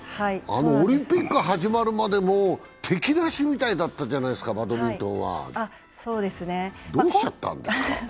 オリンピックが始まるまでも敵なしだったじゃないですか、バドミントンは、どうしちゃったんですか？